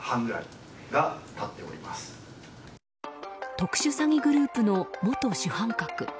特殊詐欺グループの元主犯格。